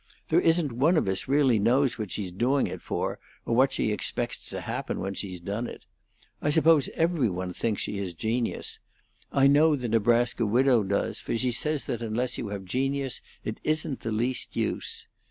There isn't one of us really knows what she's doing it for, or what she expects to happen when she's done it. I suppose every one thinks she has genius. I know the Nebraska widow does, for she says that unless you have genius it isn't the least use.